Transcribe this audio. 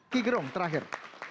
ki gerung terakhir